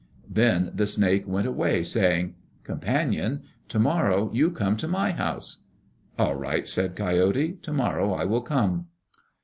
Then the snake went away, saying, "Companion, to morrow you come to my house." "All right," said Coyote. "To morrow I will come."